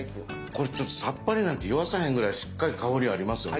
これちょっとさっぱりなんて言わさへんぐらいしっかり香りありますよね。